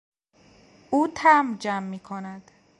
او تمبر جمع میکند.